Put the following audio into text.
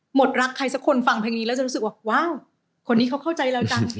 หมดรักใครสักคนฟังเพลงนี้แล้วจะรู้สึกว่าว้าวคนนี้เขาเข้าใจเราจัง